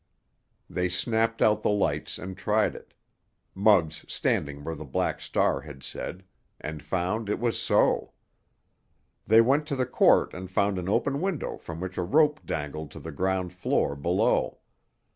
They snapped out the lights and tried it—Muggs standing where the Black Star had said—and found it was so. They went to the court and found an open window from which a rope dangled to the ground floor below.